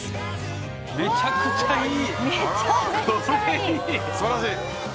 めちゃめちゃいい。